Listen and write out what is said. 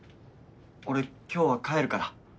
俺今日は帰るから。